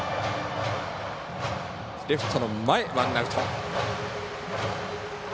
レフトの前、ワンアウト。